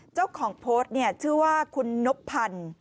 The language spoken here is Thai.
เจ้าของโพธิ์ชื่อว่าคุณนพัน